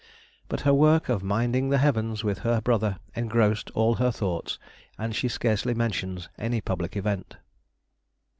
But her work of "minding the heavens" with her brother engrossed all her thoughts, and she scarcely mentions any public event.